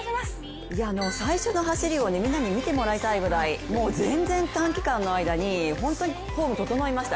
最初の走りをみんなに見てもらいたいぐらい全然短期間の間に、本当にフォーム、整いました。